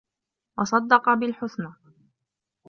وَصَدَّقَ بِالحُسنى